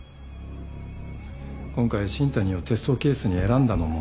今回新谷をテストケースに選んだのも？